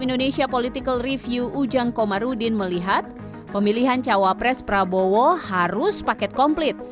indonesia political review ujang komarudin melihat pemilihan cawapres prabowo harus paket komplit